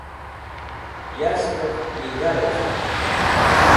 Yashtev Pig̃ha Rec̃hner